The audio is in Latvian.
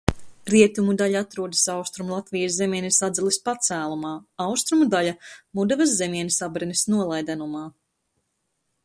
Rietumu daļa atrodas Austrumlatvijas zemienes Adzeles pacēlumā, austrumu daļa – Mudavas zemienes Abrenes nolaidenumā.